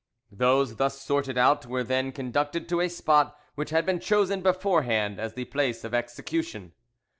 Those thus sorted out were then conducted to a spot which had been chosen beforehand as the place of execution.